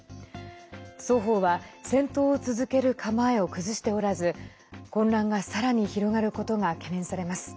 双方は戦闘を続ける構えを崩しておらず混乱がさらに広がることが懸念されます。